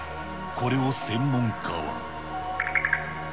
これを専門家は。